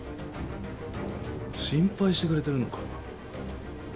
心配してくれてるのか。